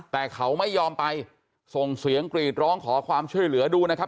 แต่เขาไม่ยอมไปส่งเสียงกรีดร้องขอความช่วยเหลือดูนะครับ